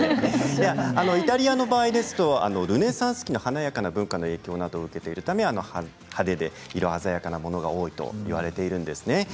イタリアの場合ですとルネサンス期の華やかな文化などの影響を受けているため派手で色鮮やかなものが多いといわれているんです。